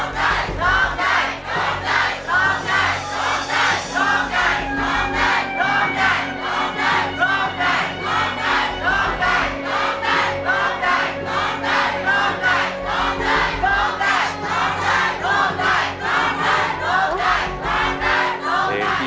ร้องได้ร้องได้ร้องได้ร้องได้ร้องได้ร้องได้ร้องได้ร้องได้